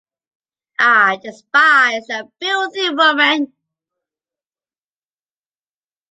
I despise that filthy woman.